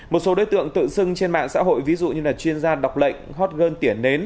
một số đối tượng tự xưng trên mạng xã hội ví dụ như là chuyên gia đọc lệnh hot girl tiểa nến